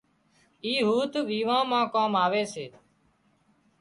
اِي هوٿ ويوان مان ڪام آوي سي